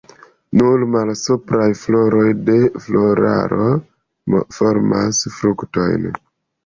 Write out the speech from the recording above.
Nur la malsupraj floroj de floraro formas fruktojn.